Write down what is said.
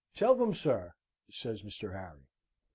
"Tell them, sir," says Mr. Harry.